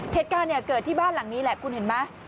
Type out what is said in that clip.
เหตุการณ์เกิดที่บ้านหลังนี้แหละคุณเห็นไหม